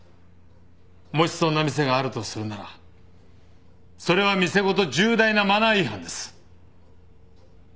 もしそんな店があるとするならそれは店ごと重大なマナー違反です。